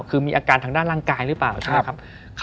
คือมีอาการทางด้านร่างกายหรือเปล่าใช่ไหมครับ